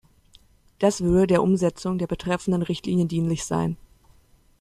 Das würde der Umsetzung der betreffenden Richtlinien dienlich sein.